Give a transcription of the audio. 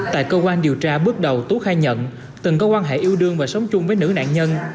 tại cơ quan điều tra bước đầu tú khai nhận từng có quan hệ yêu đương và sống chung với nữ nạn nhân